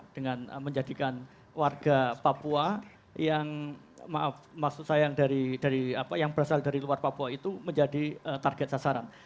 dengan menjadikan warga papua yang maaf maksud saya yang berasal dari luar papua itu menjadi target sasaran